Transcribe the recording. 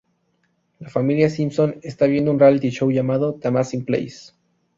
La familia Simpson están viendo un reality show llamado "The Amazing Place".